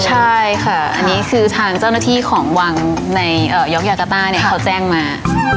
ใช่ค่ะอันนี้คือทางเจ้าหน้าที่ของวังในยกยากาต้าเนี่ยเขาแจ้งมา